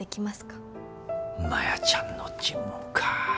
マヤちゃんの尋問か。